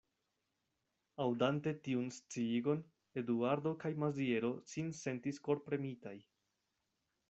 Aŭdante tiun sciigon, Eduardo kaj Maziero sin sentis korpremitaj.